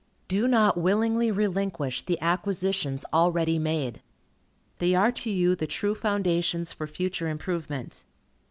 Do not willingly relinquish the acquisitions already made. They are to you the true foundations for future improvement.